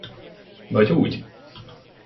Vagy úgy!